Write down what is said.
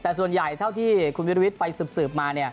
แต่ส่วนใหญ่เท่าที่คุณวิรวิทย์ไปสืบมา